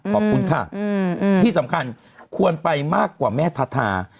ขอบคุณค่ะที่สำคัญควรไปมากกว่าแม่ทาทา